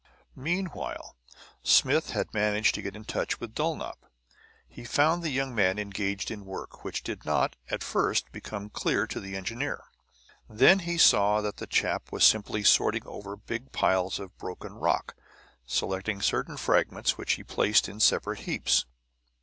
Meanwhile Smith had managed to get in touch with Dulnop. He found the young man engaged in work which did not, at first, become clear to the engineer. Then he saw that the chap was simply sorting over big piles of broken rock, selecting certain fragments which he placed in separate heaps.